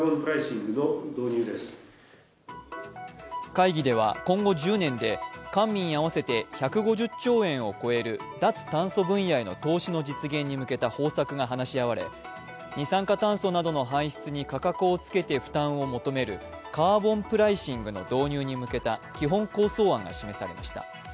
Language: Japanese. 会議では今後１０年で官民合わせて１５０兆円を超える脱炭素分野への投資の実現に向けた方策が話し合われ二酸化炭素などの排出に価格をつけて負担を求めるカーボンプライシングの導入に向けた基本構想案が示されました。